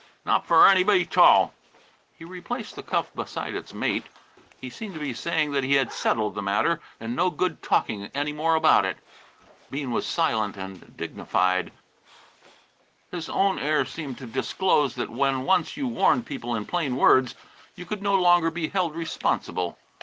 Not for anybody't all!" He replaced the cuff beside its mate. He seemed to be saying that he had settled the matter and no good talking any more about it. Bean was silent and dignified. His own air seemed to disclose that when once you warned people in plain words, you could no longer be held responsible.